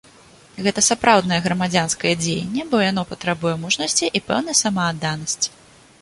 Гэта сапраўднае грамадзянскае дзеянне, бо яно патрабуе мужнасці і пэўнай самаадданасці.